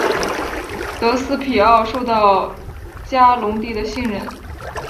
德斯皮奥受到嘉隆帝的信任。